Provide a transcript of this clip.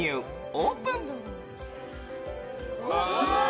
オープン！